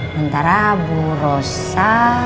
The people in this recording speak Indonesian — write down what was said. menteri abu rosa